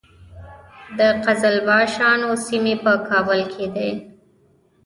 د قزلباشانو سیمې په کابل کې دي